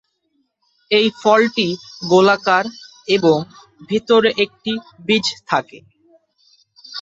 এই ফলটি গোলাকার এবং ভেতরে একটি বীজ থাকে।